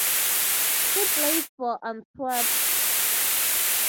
He plays for Antwerp.